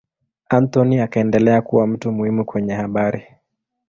Anthony akaendelea kuwa mtu muhimu kwenye habari.